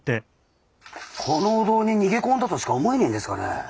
このお堂に逃げ込んだとしか思えねえんですがね。